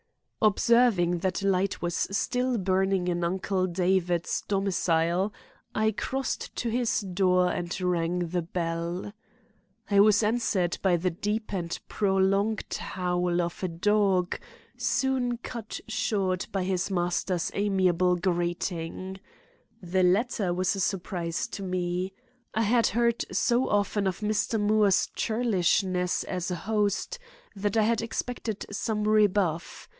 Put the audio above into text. Observing that a light was still burning in Uncle David's domicile, I crossed to his door and rang the bell. I was answered by the deep and prolonged howl of a dog, soon cut short by his master's amiable greeting. This latter was a surprise to me. I had heard so often of Mr. Moore's churlishness as a host that I had expected some rebuff.